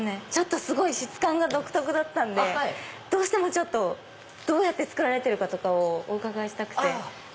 すごい質感が独特だったんでどうしてもどうやって作られてるかをお伺いしたくて。